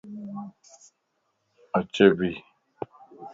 اڇي ڀي